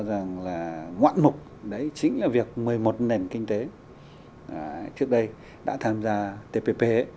tôi cho rằng là ngoạn mục đấy chính là việc một mươi một nền kinh tế trước đây đã tham gia tpp